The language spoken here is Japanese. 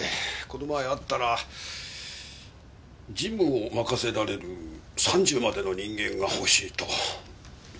この前会ったら事務を任せられる３０までの人間がほしいと言ってた。